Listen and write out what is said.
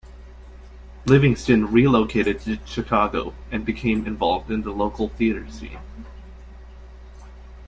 Livingston relocated to Chicago and became involved in the local theater scene.